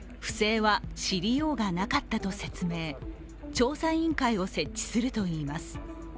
調査委員会を設置するといいます。